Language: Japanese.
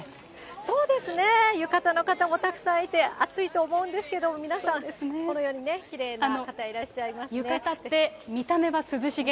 そうですね、浴衣の方もたくさんいて、暑いと思うんですけど、皆さん、このようにね、きれいな方いらっしゃいますね。